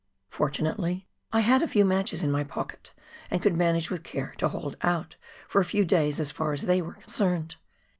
Fortunately, I had a few matches in my pocket, and could manage with care to hold out for a few days as far as they were concerned.